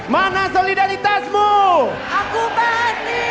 mana solidaritasmu aku pak asi